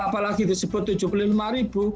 apalagi disebut rp tujuh puluh lima ribu